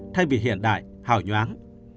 thay vì hiện đại hào nhoáng